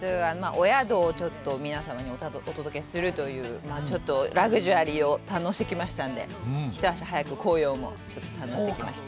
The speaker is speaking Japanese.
お宿をちょっと皆様にお届けするという、ちょっとラグジュアリーを堪能してきましたんで、一足早く紅葉も堪能してきました。